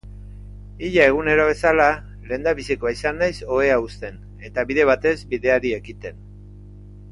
Ia egunero bezala lehendabizikoa izan naiz ohea uzten eta bide batez bideari ekiten.